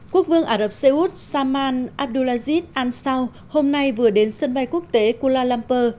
quốc vương saman abdulaziz ansau hôm nay vừa đến sân bay quốc tế kuala lumpur